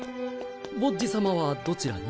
ボッジ様はどちらに？